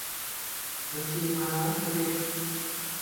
บัญชีมหาบัณฑิต